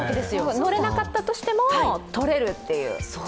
乗れなかったとしても、撮れるっていう。